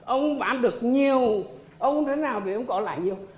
ông bán được nhiều ông thế nào để ông có lại nhiều